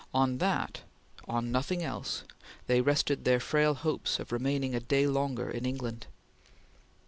On that on nothing else they rested their frail hopes of remaining a day longer in England.